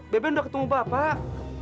beben udah ketemu bapak